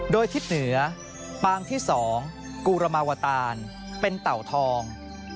โดยทิศเหนือปางที่๒กุรมาวตานเป็นเต่าทอง